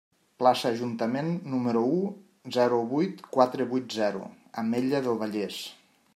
Plaça Ajuntament, número u, zero vuit quatre vuit zero, Ametlla del Vallès.